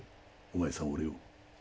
お前さん俺を。